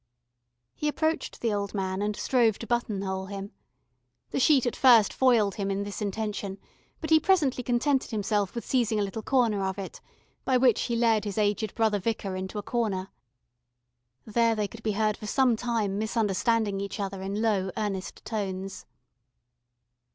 He approached the old man and strove to button hole him. The sheet at first foiled him in this intention, but he presently contented himself with seizing a little corner of it, by which he led his aged brother vicar into a corner. There they could be heard for some time misunderstanding each other in low earnest tones.